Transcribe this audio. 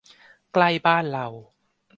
ใกล้บ้านเรา